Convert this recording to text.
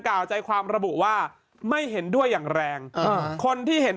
กล่าวใจความระบุว่าไม่เห็นด้วยอย่างแรงคนที่เห็น